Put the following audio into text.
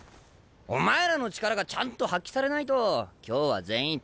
お前らの力がちゃんと発揮されないと今日は全員共倒れだ。